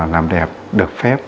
làm đẹp được phép